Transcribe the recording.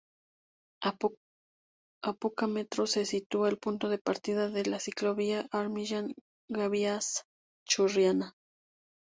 A poca metros se sitúa el punto de partida de la ciclovía Armilla-Gabias-Churriana.